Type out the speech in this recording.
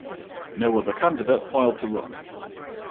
No other candidate filed to run.